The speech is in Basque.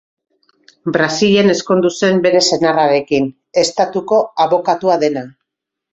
Brasilen ezkondu zen bere senarrarekin, Estatuko Abokatua dena.